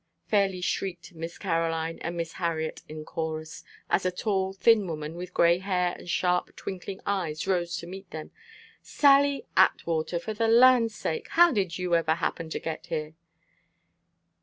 fairly shrieked Miss Caroline and Miss Harriet in chorus, as a tall, thin woman, with gray hair and sharp, twinkling eyes rose to meet them; "Sally Atwater, for the land's sake! how did you ever happen to get here?"